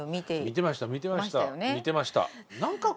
見てました。